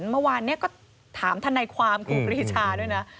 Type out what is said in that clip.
เมื่อวานเนี่ยก็ถามท่านนายความของกรีชาด้วยนะ